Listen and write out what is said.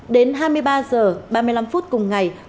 đến hai mươi ba h ba mươi năm phút cùng ngày